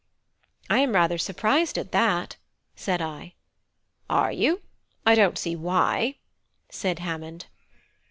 "I am rather surprised at that," said I. "Are you? I don't see why," said Hammond.